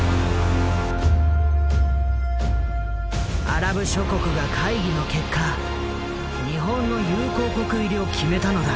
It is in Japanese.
アラブ諸国が会議の結果日本の友好国入りを決めたのだ。